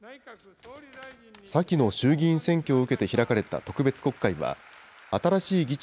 先の衆議院選挙を受けて開かれた特別国会は、新しい議長、